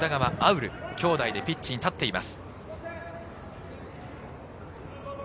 潤、兄弟でピッチに立っています。